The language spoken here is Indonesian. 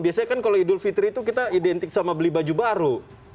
biasanya kan kalau idul fitri itu kita identik sama beli baju baru